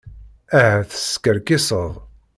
Ahat teskerkiseḍ.